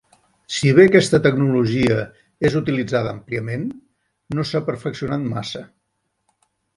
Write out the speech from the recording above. Si bé aquesta tecnologia és utilitzada àmpliament, no s'ha perfeccionat massa.